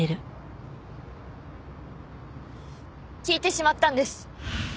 聞いてしまったんです。